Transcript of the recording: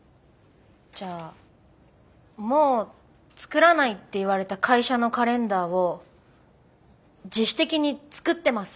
じゃあもう作らないって言われた会社のカレンダーを自主的に作ってます。